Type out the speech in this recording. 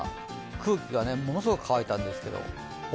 空気がものすごい乾いてたんですけどね。